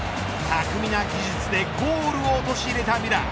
巧みな技術でゴールを陥れたミュラー。